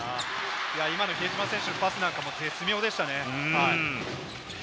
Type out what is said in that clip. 今の比江島選手のパスなんかも絶妙でしたね。